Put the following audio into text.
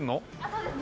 そうです。